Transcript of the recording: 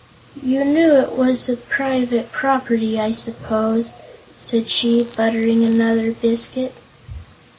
"You knew it was private property, I suppose?" said she, buttering another biscuit.